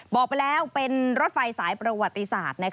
บอกไปแล้วเป็นรถไฟสายประวัติศาสตร์